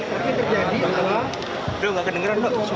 tapi terjadi adalah